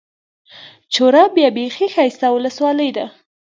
چوره بيا بېخي ښايسته اولسوالي ده.